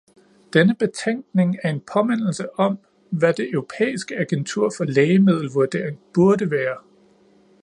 Denne betænkning er en påmindelse om, hvad det europæiske agentur for lægemiddelvurdering burde være.